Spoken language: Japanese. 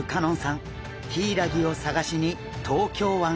ヒイラギを探しに東京湾へ。